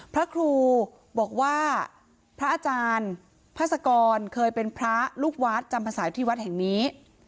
พระครูบอกว่าพระอาจารย์พัศกรเคยเป็นพระลูกวัดจำภาษาที่วัดแห่งนี้